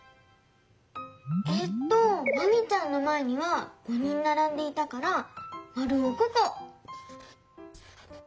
えっとマミちゃんのまえには５人ならんでいたからまるを５こ。